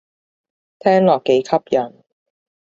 聽落幾吸引